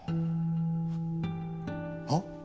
あっ。